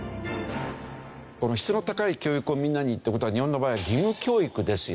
この「質の高い教育をみんなに」って事は日本の場合は義務教育ですよね。